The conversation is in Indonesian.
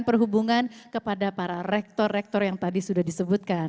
perhubungan kepada para rektor rektor yang tadi sudah disebutkan